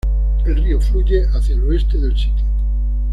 El río fluye hacia el oeste del sitio.